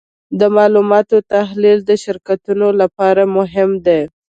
د معلوماتو تحلیل د شرکتونو لپاره مهم دی.